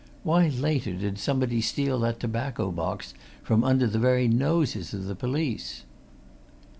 Why, later, did somebody steal that tobacco box from under the very noses of the police?"